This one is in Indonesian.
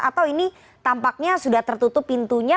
atau ini tampaknya sudah tertutup pintunya